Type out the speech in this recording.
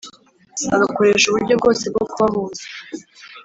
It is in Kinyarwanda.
agakoresha uburyo bwose bwo kubahuza